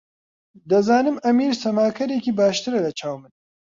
دەزانم ئەمیر سەماکەرێکی باشترە لەچاو من.